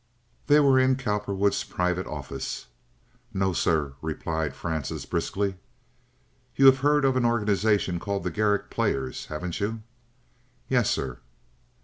They were in Cowperwood's private office. "No, sir," replied Francis, briskly. "You have heard of an organization called the Garrick Players, haven't you?" "Yes, sir."